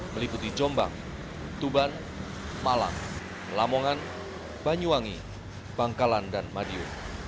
meliputi jombang tuban malang lamongan banyuwangi bangkalan dan madiun